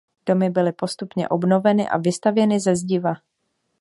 Domy byly postupně obnoveny a vystavěny ze zdiva.